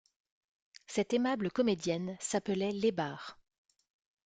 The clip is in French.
Cette aimable comédienne s'appelait Iébar.